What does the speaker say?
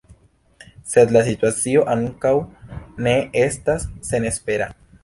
Sed la situacio ankaŭ ne estas senespera.